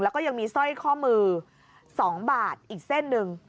แล้วก็ยังมีสร้อยข้อมือ๒บาทอีกเส้นหนึ่ง